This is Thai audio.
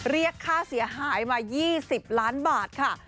เรียกค่าเสียหายมา๒๐ล้านบาทค่ะ